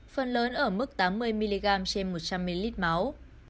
phần lớn ở mức tám mươi mg trên một trăm linh ml máu